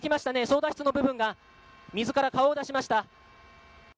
操舵室の部分が水から顔を出しました。